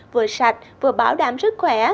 vừa sạch vừa bảo đảm sức khỏe